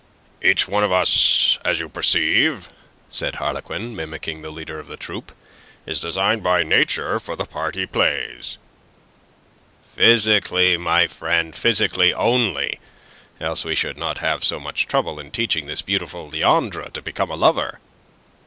"Each one of us, as you perceive," said Harlequin, mimicking the leader of the troupe, "is designed by Nature for the part he plays." "Physically, my friend, physically only, else we should not have so much trouble in teaching this beautiful Leandre to become a lover.